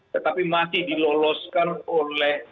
tetapi masih diloloskan oleh